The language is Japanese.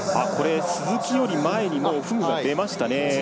鈴木より前にフグが出ますね。